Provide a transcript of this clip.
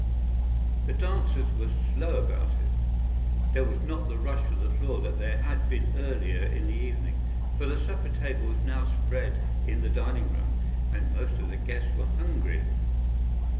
The dancers were slow about it. There was not the rush for the floor that there had been earlier in the evening, for the supper table was now spread in the dining room and most of the guests were hungry.